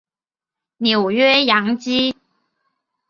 纽约洋基